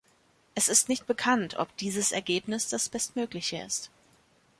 Es ist nicht bekannt, ob dieses Ergebnis das bestmögliche ist.